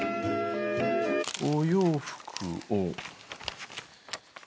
お洋服を。